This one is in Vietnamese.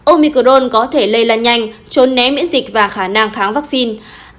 omicron có thể lây lan nhanh trốn né miễn dịch và khả năng kháng vaccine